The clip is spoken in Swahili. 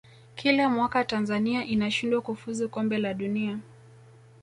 kila mwaka tanzania inashindwa kufuzu kombe la dunia